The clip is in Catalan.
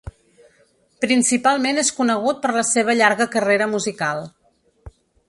Principalment, és conegut per la seva llarga carrera musical.